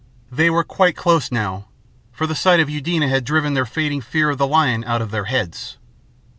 They were quite close now, for the sight of Eudena had driven their fading fear of the lion out of their heads.